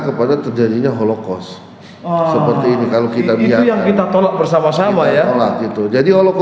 kepada terjadinya holocaust seperti ini kalau kita bisa yang kita tolak bersama sama ya stevens